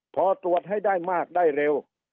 พอตรวจให้ได้มากได้เร็ว